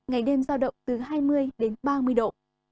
giao động từ hai mươi đến ba mươi độ